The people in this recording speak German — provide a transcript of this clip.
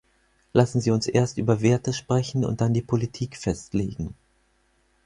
Lassen Sie uns erst über Werte sprechen und dann die Politik festlegen.